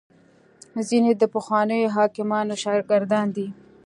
ځیني د پخوانیو حکیمانو شاګردان دي